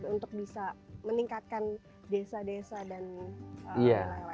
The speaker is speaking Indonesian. untuk bisa meningkatkan desa desa dan lain lain